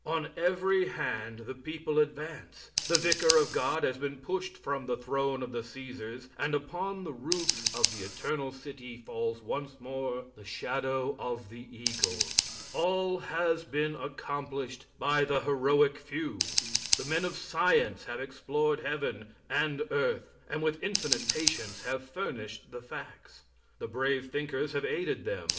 On every hand the people advance. The vicar of God has been pushed from the throne of the Caesars, and upon the roofs of the Eternal city falls once more the shadow of the eagle. All has been accomplished by the heroic few. The men of science have explored heaven and earth, and with infinite patience have furnished the facts. The brave thinkers have aided them.